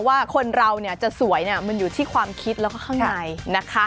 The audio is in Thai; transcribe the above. ว่าคนเราจะสวยมันอยู่ที่ความคิดแล้วก็ข้างในนะคะ